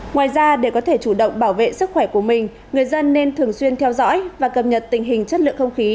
ngoài ra để có thể chủ động bảo vệ sức khỏe của mình người dân nên thường xuyên theo dõi và cập nhật tình hình chất lượng không khí